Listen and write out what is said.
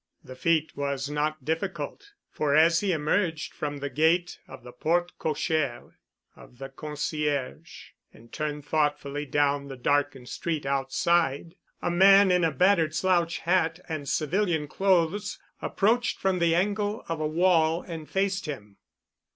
The feat was not difficult, for as he emerged from the gate of the porte cochère of the concierge and turned thoughtfully down the darkened street outside, a man in a battered slouch hat and civilian clothes approached from the angle of a wall and faced him.